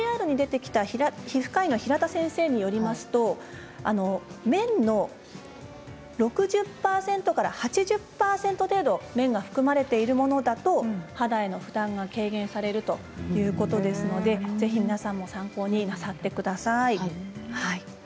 ＶＴＲに出てきた皮膚科医の平田先生によると６０から８０％綿が含まれているものだと肌への負担が軽減されるということなのでぜひ皆さん参考になさってください。